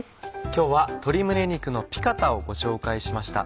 今日は鶏胸肉のピカタをご紹介しました。